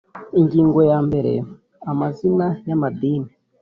Ingingo yambere Amazina y idini